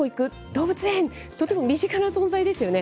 動物園、とても身近な存在ですよね。